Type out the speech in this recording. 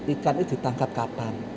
ikan itu ditangkap kapan